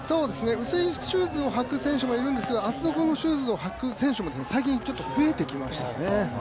薄いシューズを履く選手もいるんですが厚底シューズを履く選手も最近、増えてきましたね。